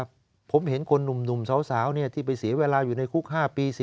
ผมเห็นคนหนุ่มสาวที่ไปเสียเวลาอยู่ในคุก๕ปี